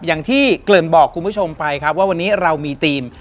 อย่างที่เกริ่นบอกคุณผู้ชมไปครับว่าวันนี้เรามีทีม